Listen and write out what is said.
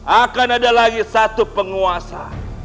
akan ada lagi satu penguasa